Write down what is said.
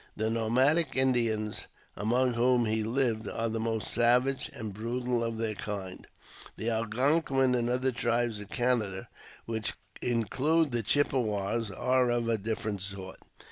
The nomadic Indians among whom he lived are the most savage and brutal of their kind. The Algonkin and other tribes of Canada, which include the Chippewas, are of a different sort.